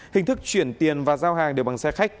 hình thức chuyển tiền và giao hàng đều bằng xe khách